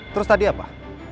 terus tadi apa